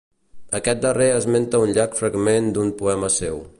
Aquest darrer esmenta un llarg fragment d'un poema seu.